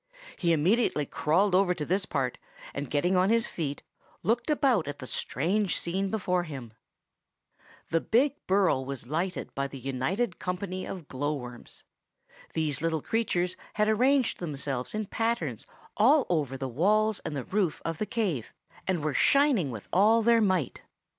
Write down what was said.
He immediately crawled over to this part, and getting on his feet, looked about at the strange scene before him. The Big Burrow was lighted by the United Company of Glow worms. These little creatures had arranged themselves in patterns all over the walls and roof of the cave, and were shining with all their might.